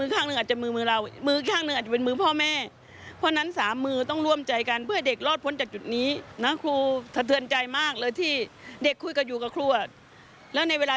ความรู้สึกดีจากครูอะ